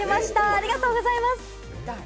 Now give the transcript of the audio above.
ありがとうございます。